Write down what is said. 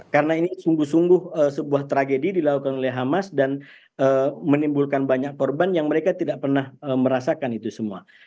karena ini sungguh sungguh sebuah tragedi dilakukan oleh hamas dan menimbulkan banyak korban yang mereka tidak pernah merasakan itu semua